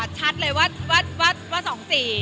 ชัดเลยว่า๒๔